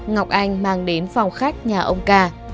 trương mang đến phòng khách nhà ông ca